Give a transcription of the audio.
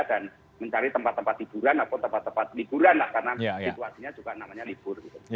dan mencari tempat tempat liburan lah karena situasinya juga namanya libur